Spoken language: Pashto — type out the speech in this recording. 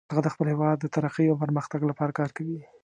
هغه د خپل هیواد د ترقۍ او پرمختګ لپاره کار کوي